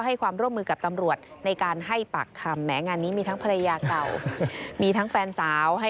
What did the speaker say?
ให้ความร่วมมือกับตำรวจในการให้ปากคำแหมงานนี้มีทั้งภรรยาเก่ามีทั้งแฟนสาวให้